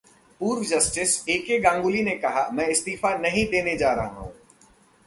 पूर्व justice A K Ganguly ने कहा, मैं इस्तीफा नहीं देने जा रहा हूं